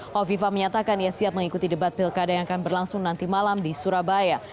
hovifa menyatakan ia siap mengikuti debat pilkada yang akan berlangsung nanti malam di surabaya